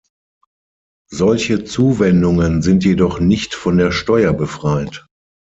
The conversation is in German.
Solche Zuwendungen sind jedoch nicht von der Steuer befreit.